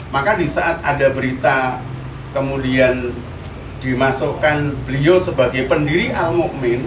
maka di saat ada berita kemudian dimasukkan beliau sebagai pendiri al mu'min